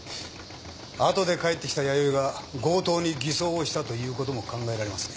あとで帰ってきた弥生が強盗に偽装したということも考えられますね。